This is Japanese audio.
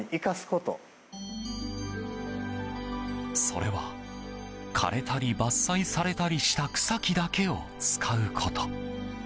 それは枯れたり伐採されたりした草木だけを使うこと。